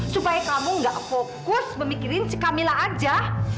supaya kamu nggak fokus memikirin si camila aja